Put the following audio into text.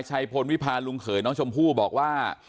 ชัยพลวิพาลุงเขยน้องชมพู่บอกว่า